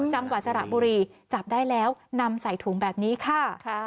จังหวัดสระบุรีจับได้แล้วนำใส่ถุงแบบนี้ค่ะ